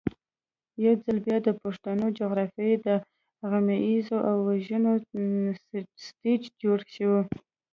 یو ځل بیا د پښتنو جغرافیه د غمیزو او وژنو سټېج جوړ شو.